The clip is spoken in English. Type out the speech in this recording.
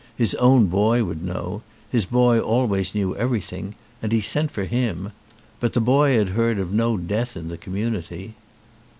His own boy would know, his boy always knew everything, and he sent for him ; but the boy had heard of no death in the community.